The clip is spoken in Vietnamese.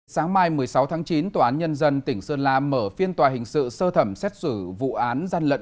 sáng mai một mươi sáu tháng chín tòa án nhân dân tỉnh sơn la mở phiên tòa hình sự sơ thẩm xét xử vụ án gian lận